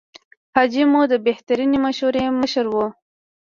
حاجي مو د بهترینې مشورې مشر و.